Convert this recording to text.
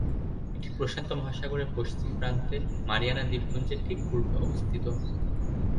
এটি প্রশান্ত মহাসাগরের পশ্চিম প্রান্তে মারিয়ানা দ্বীপপুঞ্জের ঠিক পূর্বে অবস্থিত।